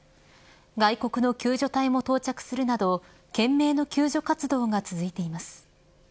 外国の救助隊も到着するなど懸命の救助活動が続いています。